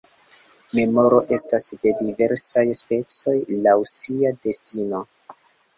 Memoro estas de diversaj specoj laŭ sia destino.